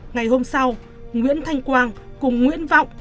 ngày hôm sau nguyễn thanh quang cùng nguyễn vọng